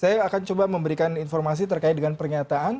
saya akan coba memberikan informasi terkait dengan pernyataan